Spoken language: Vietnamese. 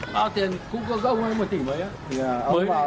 bao tiền cũng có gốc mấy một tỷ mấy á